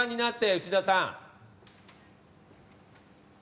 内田さん。